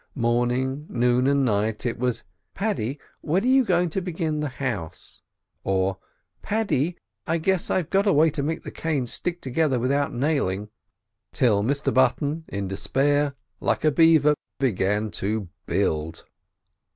Morning, noon, and night it was "Paddy, when are you going to begin the house?" or, "Paddy, I guess I've got a way to make the canes stick together without nailing." Till Mr Button, in despair, like a beaver, began to build.